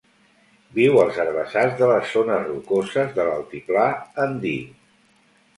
Viu als herbassars de les zones rocoses de l'altiplà andí.